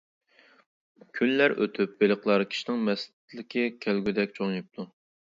كۈنلەر ئۆتۈپ بېلىقلار كىشىنىڭ مەستلىكى كەلگۈدەك چوڭىيىپتۇ.